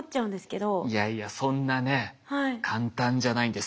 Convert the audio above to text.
いやいやそんなね簡単じゃないんです。